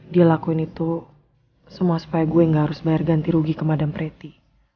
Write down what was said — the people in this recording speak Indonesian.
dia lakuin itu semua supaya gue gak harus bayar ganti rugi ke madan preti